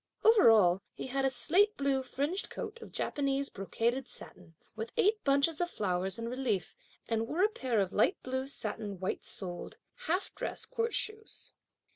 Over all, he had a slate blue fringed coat of Japanese brocaded satin, with eight bunches of flowers in relief; and wore a pair of light blue satin white soled, half dress court shoes.